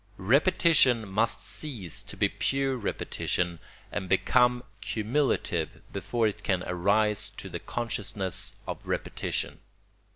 Repetition must cease to be pure repetition and become cumulative before it can give rise to the consciousness of repetition.